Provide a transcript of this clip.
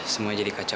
semua jadi kacau kek